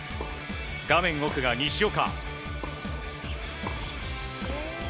画面奥が西岡。